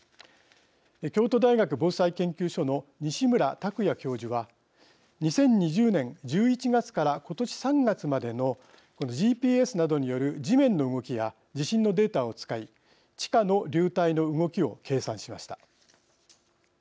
京都大学防災研究所の西村卓也教授は２０２０年１１月から今年３月までのＧＰＳなどによる地面の動きや地震のデータを使い地下の流体の動きを計算しました。